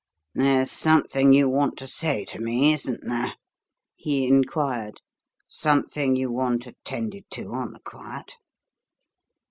"There's something you want to say to me, isn't there?" he inquired. "Something you want attended to on the quiet?"